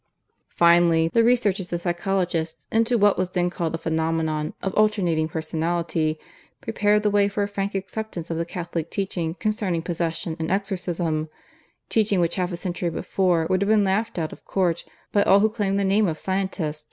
Finally, the researches of psychologists into what was then called the phenomenon of 'Alternating Personality' prepared the way for a frank acceptance of the Catholic teaching concerning Possession and Exorcism teaching which half a century before would have been laughed out of court by all who claimed the name of Scientist.